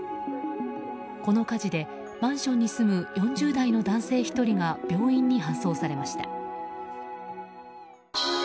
この火事でマンションに住む４０代の男性１人が病院に搬送されました。